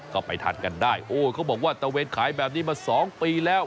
ก็ไปทานกันได้โอ้เขาบอกว่าตะเวนขายแบบนี้มา๒ปีแล้ว